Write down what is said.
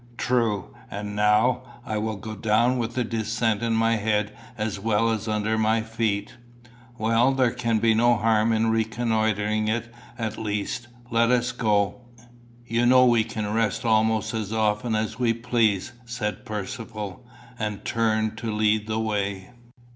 "True; and now I will go down with the descent in my head as well as under my feet." "Well, there can be no harm in reconnoitring it at least. Let us go." "You know we can rest almost as often as we please," said Percivale, and turned to lead the way.